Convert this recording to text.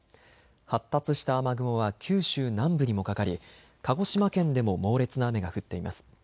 発達した雨雲は九州南部にもかかり鹿児島県でも猛烈な雨が降っています。